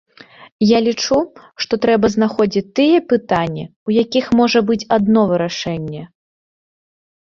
Я лічу, што трэба знаходзіць тыя пытанні, у якіх можа быць адно вырашэнне.